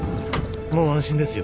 もう安心ですよ